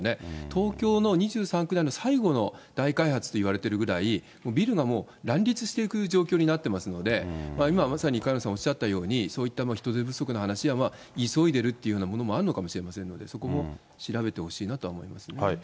東京の２３区内の最後の大開発といわれてるぐらい、ビルがもう乱立していく状況になってますので、今まさに萱野さんおっしゃったように、そういった人手不足の話や、急いでるっていうようなものもあるのかもしれませんので、そこも調べてほしいなと思いますよね。